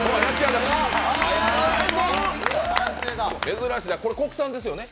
珍しい、これ、国産ですよね？